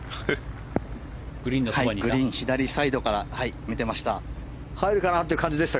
グリーン左サイドから見ていました。